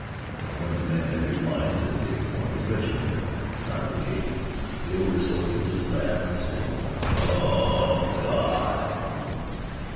And when the men had replied that they formed a regiment and not a brigade, the older soldiers had laughed, and said, "O Gawd!"